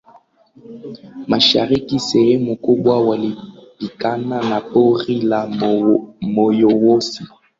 Mashariki sehemu kubwa walipakana na pori la moyowosi